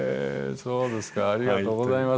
そうですか、ありがとうございます。